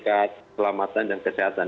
keselamatan dan kesehatan